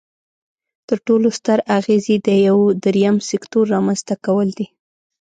تر ټولو ستر اغیز یې د یو دریم سکتور رامینځ ته کول دي.